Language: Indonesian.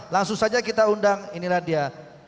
langsung saja kita undang inilah dia